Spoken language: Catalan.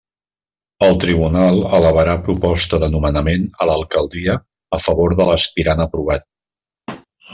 El tribunal elevarà proposta de nomenament a l'Alcaldia a favor de l'aspirant aprovat.